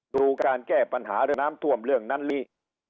ดูการแก้ปัญหาเรื่องน้ำท่วมเรื่องนั้นนี้